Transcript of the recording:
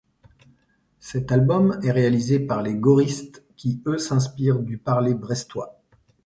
Cet album est réalisé par les Goristes qui eux s’inspirent du parlé brestois.